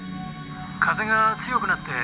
「風が強くなって」